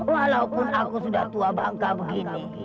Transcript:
walaupun aku sudah tua bangka bangka